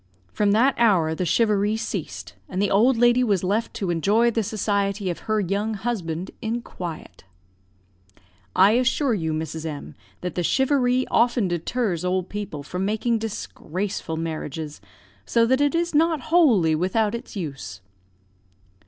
"From that hour the charivari ceased, and the old lady was left to enjoy the society of her young husband in quiet. "I assure you, Mrs. M , that the charivari often deters old people from making disgraceful marriages, so that it is not wholly without its use."